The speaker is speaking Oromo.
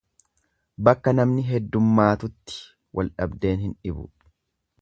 Bakka namni heddummaatutti wal dhabdeen hin dhibu.